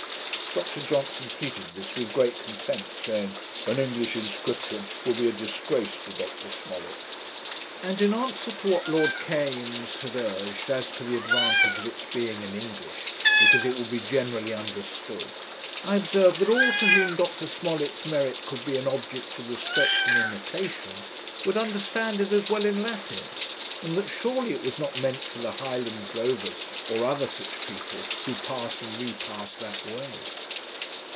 Dr Johnson treated this with great contempt, saying 'An English inscription would be a disgrace to Dr Smollet'; and, in answer to what Lord Kames had urged, as to the advantage of its being in English, because it would be generally understood, I observed, that all to whom Dr Smollet's merit could be an object of respect and imitation, would understand it as well in Latin; and that surely it was not meant for the Highland drovers, or other such people, who pass and repass that way.